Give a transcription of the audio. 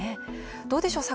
どうでしょう？